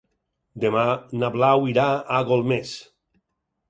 Demà na Blau irà a Golmés.